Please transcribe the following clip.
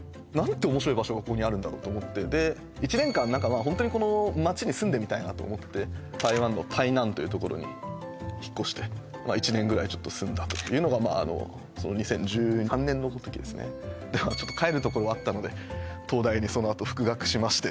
そのとおりですはい１年間ホントにこの街に住んでみたいなと思って台湾の台南という所に引っ越して１年ぐらいちょっと住んだというのが２０１３年の時ですねでもちょっと帰る所はあったので東大にそのあと復学しまして